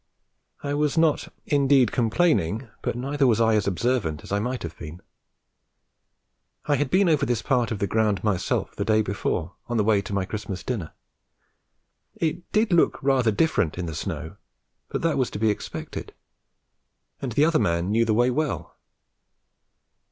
I was not indeed complaining, but neither was I as observant as I might have been. I had been over this part of the ground by myself the day before, on the way to my Christmas dinner. It did look rather different in the snow, but that was to be expected, and the other man knew the way well.